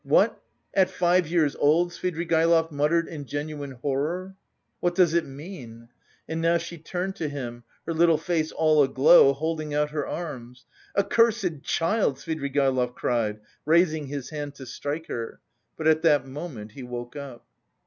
"What, at five years old?" Svidrigaïlov muttered in genuine horror. "What does it mean?" And now she turned to him, her little face all aglow, holding out her arms.... "Accursed child!" Svidrigaïlov cried, raising his hand to strike her, but at that moment he woke up.